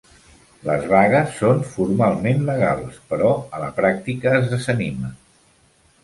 Les vagues són formalment legals, però a la pràctica es desanimen.